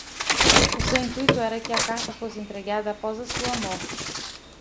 O seu intuito era que a carta fosse entregada após a sua morte.